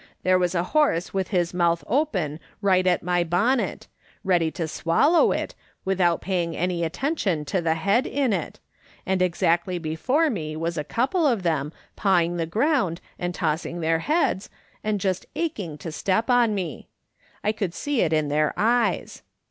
There was a horse with his mouth open right at my bonnet ; ready to swallow it, without paying any attention to the head in it, and exactly before me was a couple of them, pawing the ground, and tossing their heads, and just aching to step on me. I could see it in their eyes.